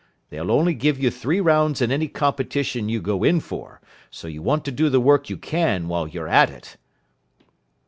They'll only give you three rounds in any competition you go in for, so you want to do the work you can while you're at it."